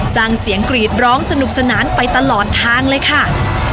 สร้างเสียงกรีดร้องสนุกสนานไปตลอดทางเลยค่ะ